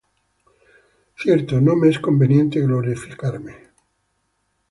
Cierto no me es conveniente gloriarme;